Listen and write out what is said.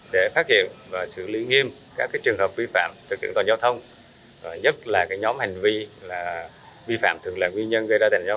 để phát hiện và xử lý nghiêm các trường hợp vi phạm cho trực tuần giao thông